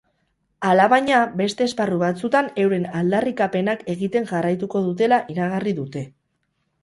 Alabaina, beste esparru batzutan euren aldarrikapenak egiten jarraituko dutela iragarri dute.